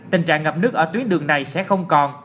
tình trạng ngập nước ở tuyến đường này sẽ không còn